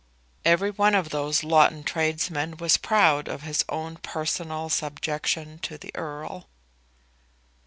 Every one of those Loughton tradesmen was proud of his own personal subjection to the Earl!